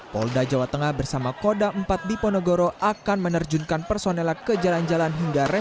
polda jawa tengah bersama koda empat diponegoro akan menerjunkan personel ke jalan jalan hingga res area